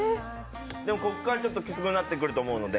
でも、こっからきつくなってくると思うんで。